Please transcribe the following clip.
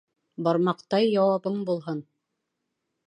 Бармаҡтай яуабың булһын.